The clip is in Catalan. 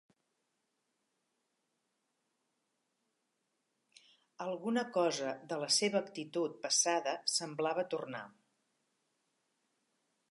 Alguna cosa de la seva actitud passada semblava tornar.